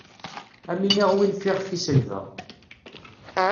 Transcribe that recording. Ad m-iniɣ win fiɣef i selbeɣ.